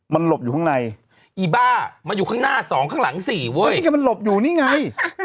มันหลบอยู่ข้างในอีบ้ามันอยู่ข้างหน้าสองข้างหลังสี่เว้ยนี่ไงมันหลบอยู่นี่ไง